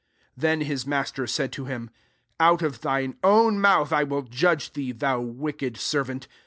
22 "[7%en^ hia master said to him, * Out or thine own mouth I will judge thee, thou wicked servant.